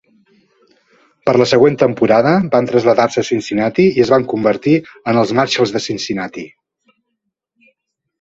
Per la següent temporada van traslladar-se a Cincinnati i es van convertir en els Marshals de Cincinnati.